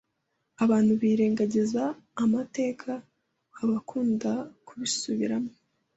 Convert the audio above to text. Abantu birengagiza amateka bakunda kubisubiramo